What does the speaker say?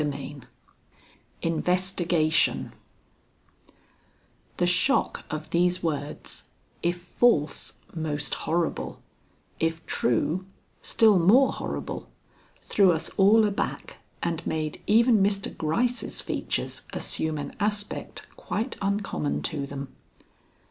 XXX INVESTIGATION The shock of these words if false, most horrible; if true, still more horrible threw us all aback and made even Mr. Gryce's features assume an aspect quite uncommon to them.